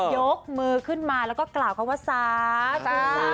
ยกมือขึ้นมาแล้วก็กล่าวคำว่าสาธุสา